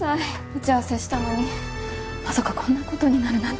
打ち合わせしたのにまさかこんなことになるなんて。